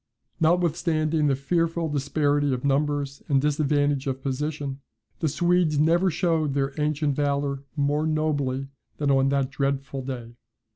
Notwithstanding the fearful disparity of numbers and disadvantage of position, the Swedes never showed their ancient valour more nobly than on that dreadful day.